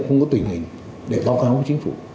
không có tình hình để báo cáo với chính phủ